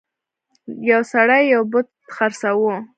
یو سړي یو بت خرڅاوه.